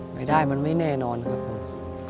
รายได้มันไม่แน่นอนครับผม